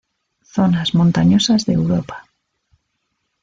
Zonas montañosas de Europa.